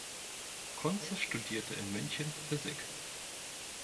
Kunze studierte in München Physik.